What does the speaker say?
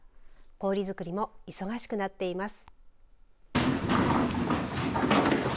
氷づくりも忙しくなっています。